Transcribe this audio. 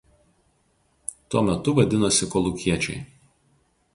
Tuo metu vadinosi "Kolūkiečiai".